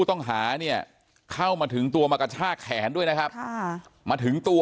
ต้องหาเนี่ยเข้ามาถึงตัวมากระชากแขนด้วยนะครับค่ะมาถึงตัว